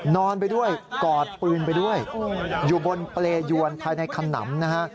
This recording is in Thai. นอนไปด้วยกอดปืนไปด้วยอยู่บนเปรยวนภายในขนำนะฮะ